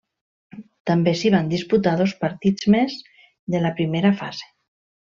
També s'hi van disputar dos partits més de la primera fase.